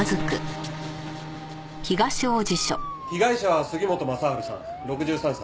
被害者は杉本雅治さん６３歳。